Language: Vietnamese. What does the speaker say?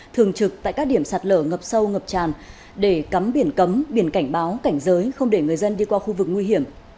thường trực tại các điểm sạt lở ngập sâu ngập tràn để cấm biển cấm biển cảnh báo cảnh giới không để người dân đi qua khu vực nguy hiểm